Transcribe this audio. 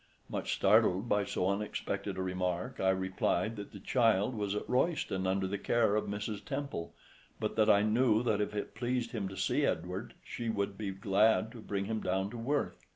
Much startled by so unexpected a remark, I replied that the child was at Royston under the care of Mrs. Temple, but that I knew that if it pleased him to see Edward she would be glad to bring him down to Worth.